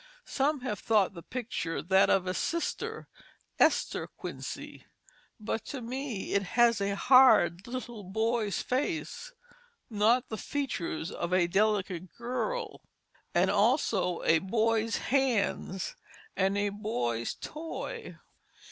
Some have thought the picture that of a sister, Esther Quincy; but to me it has a hard little boy's face, not the features of a delicate girl, and also a boy's hands, and a boy's toy.